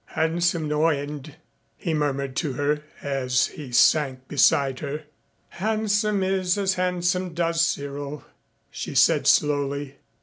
"Handsome, no end," he murmured to her as he sank beside her. "Handsome is as handsome does, Cyril," she said slowly.